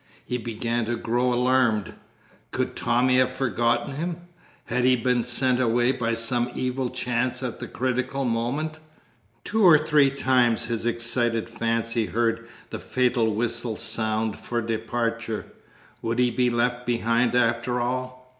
He began to grow alarmed. Could Tommy have forgotten him? Had he been sent away by some evil chance at the critical moment? Two or three times his excited fancy heard the fatal whistle sound for departure. Would he be left behind after all?